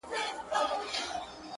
مړ به سم مړى به مي ورك سي گراني ـ